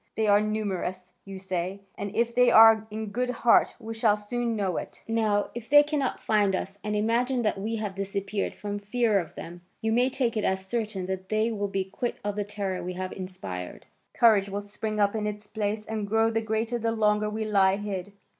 They are numerous, you say, and if they are in good heart, we shall soon know it. Now, if they cannot find us and imagine that we have disappeared from fear of them, you may take it as certain that they will be quit of the terror we have inspired. Courage will spring up in its place, and grow the greater the longer we lie hid.